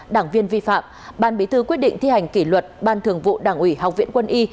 đảng viên vi phạm ban bí thư quyết định thi hành kỷ luật ban thường vụ đảng ủy học viện quân y